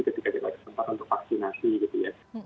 ketika tidak ada tempat untuk vaksinasi gitu ya